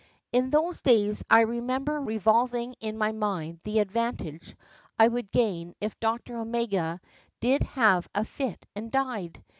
In those days I remember revolving in my mind the advantage I would gain if Dr. Omega did have a fit and died.